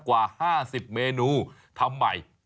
กว่า๕๐เมนูทำใหม่